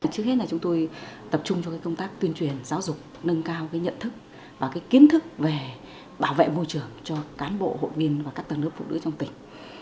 trước hết là chúng tôi tập trung cho công tác tuyên truyền giáo dục nâng cao nhận thức và kiến thức về bảo vệ môi trường cho cán bộ hội viên và các tầng lớp phụ nữ trong tỉnh